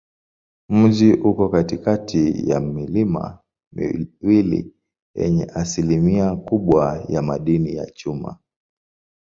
Mji uko katikati ya milima miwili yenye asilimia kubwa ya madini ya chuma.